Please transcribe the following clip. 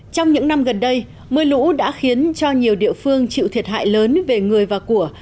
trong những năm gần đây mưa lũ đã khiến cho nhiều địa phương chịu thiệt hại lớn về người và của